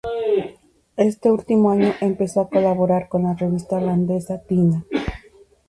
Este último año empezó a colaborar con la revista holandesa "Tina".